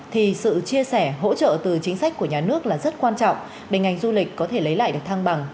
thì sự chia sẻ hỗ trợ từ chính sách của nhà nước là rất quan trọng để ngành du lịch có thể lấy lại được thăng bằng